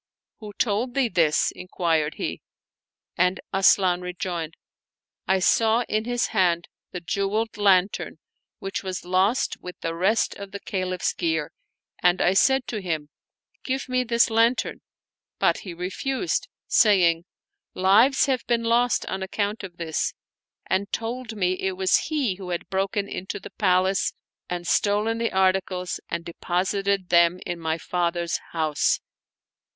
"Who told thee this?" inquired he, and Asian rejoined, " I saw in his hand the jeweled lantern which was lost with the rest of the Caliph's gear, and 1 said to him: Give me this lantern! but he refused, saying: Lives have been lost on account of this, and told me it was he who had broken into the palace and stolen the articles and deposited them in my father's house."